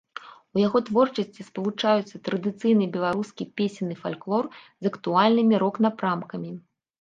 У яго творчасці спалучаюцца традыцыйны беларускі песенны фальклор з актуальнымі рок-напрамкамі.